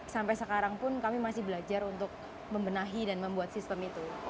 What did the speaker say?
sampai sekarang pun kami masih belajar untuk membenahi dan membuat sistem itu